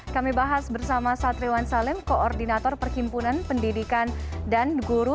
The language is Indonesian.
kami bahas bersama satriwan salim koordinator perhimpunan pendidikan dan guru